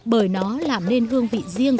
bởi nó làm nên hương vị riêng